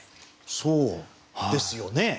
そうですよね。